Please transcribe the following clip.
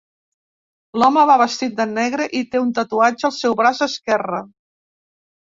L'home va vestit de negre i té un tatuatge al seu braç esquerre